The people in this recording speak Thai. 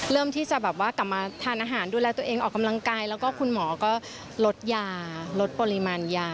เริ่มที่จะแบบว่ากลับมาทานอาหารดูแลตัวเองออกกำลังกายแล้วก็คุณหมอก็ลดยาลดปริมาณยา